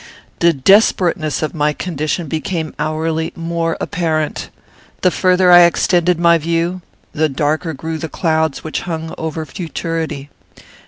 "The desperateness of my condition became hourly more apparent. The further I extended my view, the darker grew the clouds which hung over futurity.